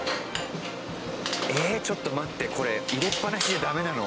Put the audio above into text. ええちょっと待ってこれ入れっぱなしじゃダメなの？